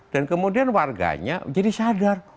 dan kemudian warganya jadi sadar